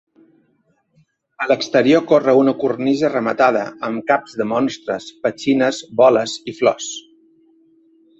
A l'exterior corre una cornisa rematada amb caps de monstres, petxines, boles i flors.